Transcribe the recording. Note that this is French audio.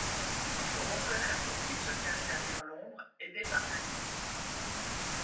Il faut reconnaitre qui se cache derrière l'ombre, aidé par l'indice.